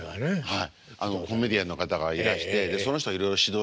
はい。